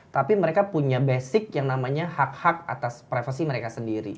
tapi mereka punya basic yang namanya hak hak atas privasi mereka sendiri